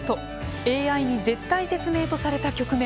ＡＩに絶体絶命とされた局面。